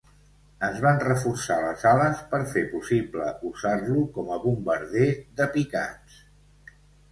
Es van reforçar les ales per fer possible usar-lo com a bombarder de picats.